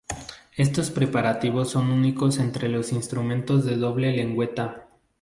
Estos preparativos son únicos entre los instrumentos de doble lengüeta.